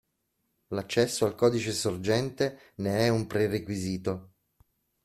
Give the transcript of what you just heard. L'accesso al codice sorgente ne è un prerequisito.